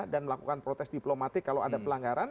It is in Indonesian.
dan melakukan protes diplomatik kalau ada pelanggaran